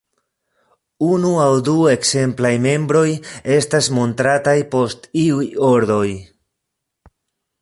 Unu aŭ du ekzemplaj membroj estas montrataj post iuj ordoj.